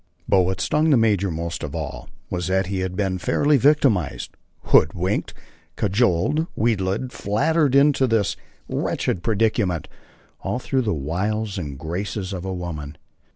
But what stung the major most of all was that he had been fairly victimized, hoodwinked, cajoled, wheedled, flattered into this wretched predicament, all through the wiles and graces of a woman.